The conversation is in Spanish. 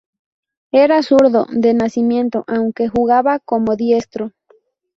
Era zurdo de nacimiento, aunque jugaba como diestro.